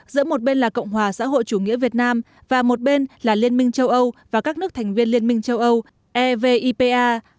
giữa một bên là cộng hòa xã hội chủ nghĩa việt nam và một bên là liên minh châu âu và các nước thành viên liên minh châu âu evipa